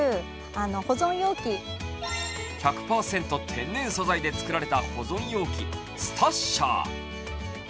天然素材で作られた保存容器、スタッシャー。